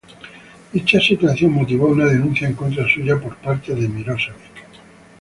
Dicha situación motivó una denuncia en contra suya por parte de Mirosevic.